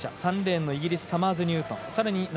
３レーンのイギリスのサマーズニュートン。